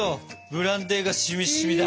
ブランデーがしみしみだ。